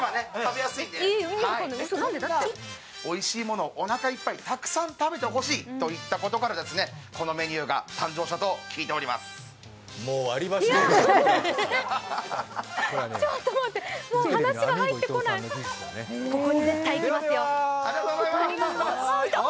おいしいものをおなかいっぱい、たくさん食べてほしいとこのメニューが誕生したと聞いています。